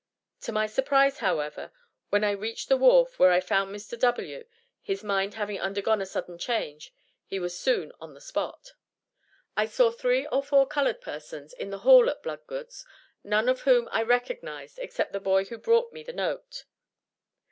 To my surprise, however, when I reached the wharf, there I found Mr. W., his mind having undergone a sudden change; he was soon on the spot. I saw three or four colored persons in the hall at Bloodgood's, none of whom I recognized except the boy who brought me the note.